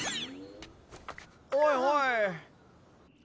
おいおい。